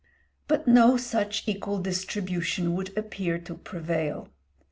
But no such equal distribution would appear to prevail.